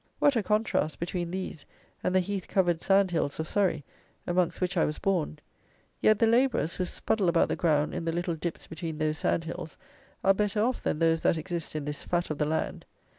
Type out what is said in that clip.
What a contrast between these and the heath covered sand hills of Surrey, amongst which I was born! Yet the labourers, who spuddle about the ground in the little dips between those sand hills, are better off than those that exist in this fat of the land.